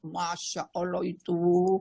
masya allah itu